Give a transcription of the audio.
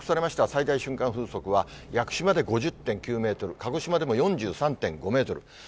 最大瞬間風速は屋久島で５０．９メートル、鹿児島でも４３．５メートル。